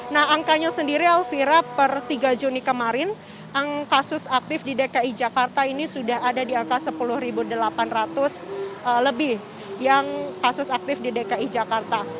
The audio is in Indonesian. nah angkanya sendiri elvira per tiga juni kemarin kasus aktif di dki jakarta ini sudah ada di angka sepuluh delapan ratus lebih yang kasus aktif di dki jakarta